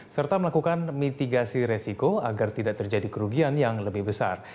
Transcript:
serta melakukan mitigasi resiko agar tidak terjadi kerugian yang lebih besar